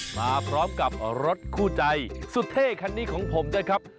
มาพร้อมกับรถคู่ใจสุดเท่คันนี้ของผมนะครับ